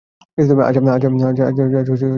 আজ মাফ করে দেও মা।